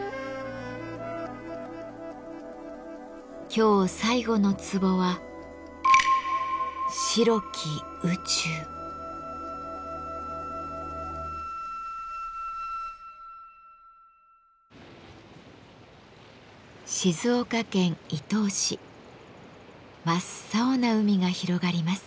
今日最後のツボは静岡県伊東市真っ青な海が広がります。